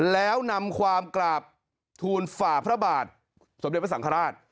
แล้วนำความกราบทูลฝ่าพระบาทสมเด็จพระสังฆราช